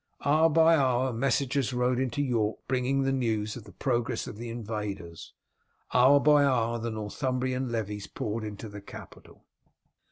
Hour by hour messengers rode into York bringing news of the progress of the invaders; hour by hour the Northumbrian levies poured into the capital.